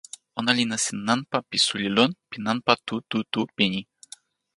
ona li nasin nanpa pi suli lon pi nanpa tu tu tu pini.